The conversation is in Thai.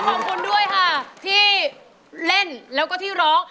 ต้องขอบคุณด้วยที่เล่นและที่ร้อง